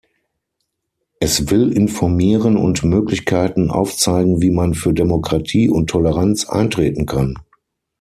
Es will informieren und Möglichkeiten aufzeigen wie man für Demokratie und Toleranz eintreten kann.